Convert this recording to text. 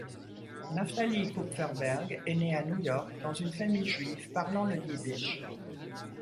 Naphtali Kupferberg est né à New York dans une famille juive parlant le yiddish.